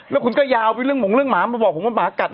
แล้วคุณก็ยาวไปเรื่องหงเรื่องหมามาบอกผมว่าหมากัด